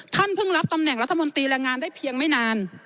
เพิ่งรับตำแหน่งรัฐมนตรีแรงงานได้เพียงไม่นาน